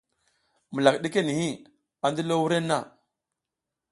Mulak ɗike niʼhi, a ndilo wurenna.